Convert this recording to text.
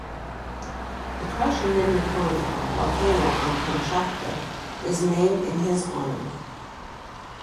The Krasheninnikov Volcano on Kamchatka is named in his honour.